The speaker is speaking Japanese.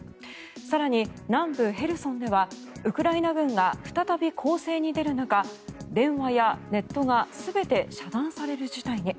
更に、南部ヘルソンではウクライナ軍が再び攻勢に出る中電話やネットが全て遮断される事態に。